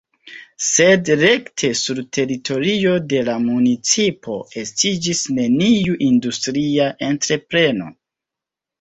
Sed rekte sur teritorio de la municipo estiĝis neniu industria entrepreno.